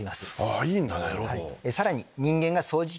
いいんだねロボ。